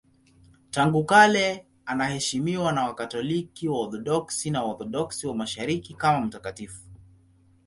Tangu kale anaheshimiwa na Wakatoliki, Waorthodoksi na Waorthodoksi wa Mashariki kama mtakatifu.